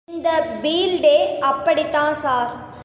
இந்த பீல்டே அப்படித்தான் ஸார்.